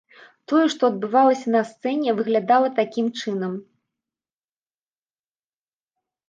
Тое, што адбывалася на сцэне, выглядала такім чынам.